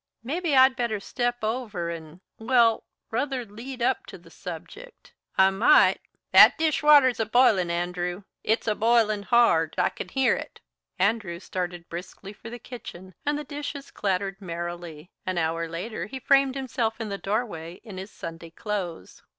Maybe I'd better step over and well ruther lead up to the subject. I might " "That dish water's a b'ilin', Andrew. It's a b'ilin' hard. I c'n hear it." Andrew started briskly for the kitchen, and the dishes clattered merrily. An hour later he framed himself in the doorway in his Sunday clothes.